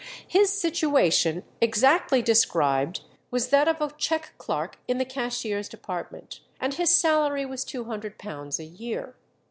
His situation exactly described was that of check clerk in the cashier's department, and his salary was £200 a year.